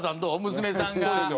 娘さんが。